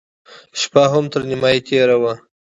شپه هم تر نيمايي تېره وه.